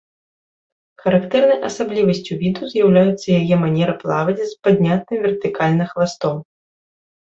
Характэрнай асаблівасцю віду з'яўляецца яе манера плаваць з паднятым вертыкальна хвастом.